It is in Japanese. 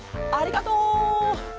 ありがとう！